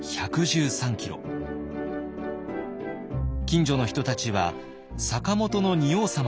近所の人たちは「坂本の仁王さま」と呼び